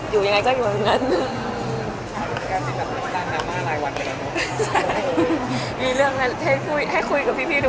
อยู่พี่ทุกวันเลย